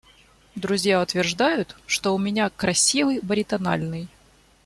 Друзья утверждают, что у меня красивый баритональный.